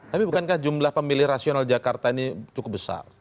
tapi bukankah jumlah pemilih rasional jakarta ini cukup besar